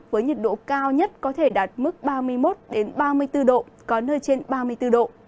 với nhiệt độ cao nhất có thể đạt mức ba mươi một ba mươi bốn độ có nơi trên ba mươi bốn độ